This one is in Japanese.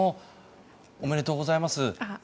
おめでとうございます。